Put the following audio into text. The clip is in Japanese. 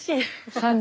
３０